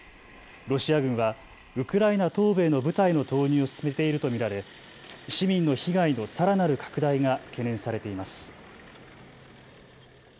ロシア軍はウクライナ東部への部隊の投入を進めていると見られ市民の被害のさらなる拡大が懸念されています。